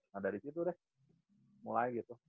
nah dari situ deh mulai gitu